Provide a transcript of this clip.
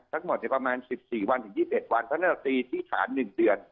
ทั้งหมดประมาณ๑๔วันถึง๒๑วันธนาภาษีที่ฐาน๑เดือน